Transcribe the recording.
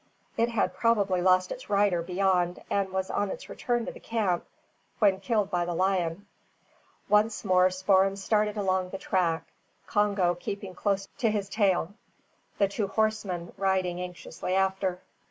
It had probably lost its rider beyond, and was on its return to the camp when killed by the lion. Once more Spoor'em started along the track, Congo keeping close to his tail, the two horsemen riding anxiously after.